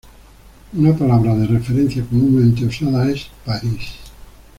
Una palabra de referencia comúnmente usada es "París".